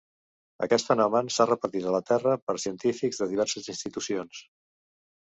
Aquest fenomen s'ha repetit a la Terra per científics de diverses institucions.